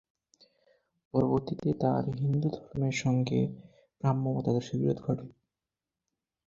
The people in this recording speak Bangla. পরবর্তীতে তাঁর হিন্দু ধর্মের সঙ্গে ব্রাহ্ম মতাদর্শের বিরোধ ঘটে।